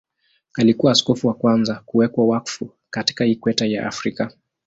Alikuwa askofu wa kwanza kuwekwa wakfu katika Ikweta ya Afrika.